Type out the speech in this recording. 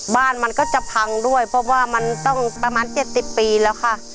บ้านมันก็จะพังด้วยเพราะว่ามันต้องประมาณ๗๐ปีแล้วค่ะ